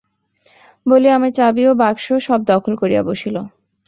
বলিয়া আমার চাবি ও বাক্স সব দখল করিয়া বসিল।